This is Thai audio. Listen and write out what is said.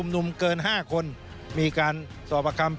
ส่วนต่างกระโบนการ